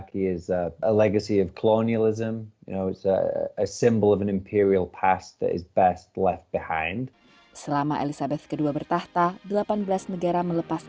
maksudnya untuk beberapa tahun ke depan